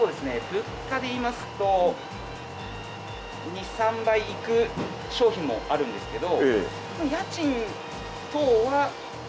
物価でいいますと２３倍いく商品もあるんですけどあっ